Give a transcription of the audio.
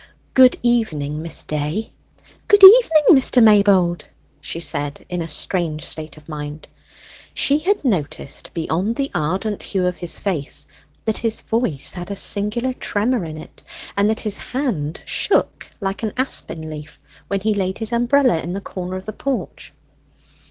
"Good evening, Miss Day." "Good evening, Mr. Maybold," she said, in a strange state of mind. She had noticed, beyond the ardent hue of his face, that his voice had a singular tremor in it, and that his hand shook like an aspen leaf when he laid his umbrella in the corner of the porch.